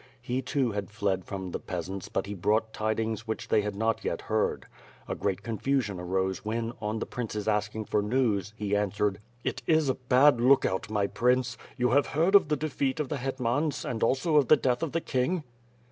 He too had fled from the peasants but he brought tidings which they had not yet heard. A great confusion arose when, on the prince's asking for news, he answered: "It is a bad lookout, my Prince! You have heard of the defeat of the hetmans and also of the death of the King?"